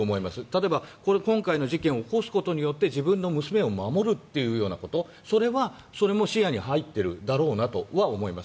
例えば今回の事件を起こすことによって自分の娘を守るということそれは、それも視野に入っているだろうなとは思います。